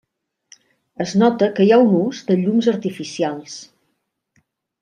Es nota que hi ha un ús de llums artificials.